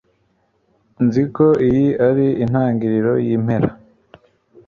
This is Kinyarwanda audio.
Nzi ko iyi ari intangiriro yimpera